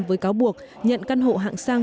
với cáo buộc nhận căn hộ hạng sang